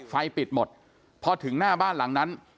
ไฟปิดหมดพอถึงหน้าบ้านหลังนั้น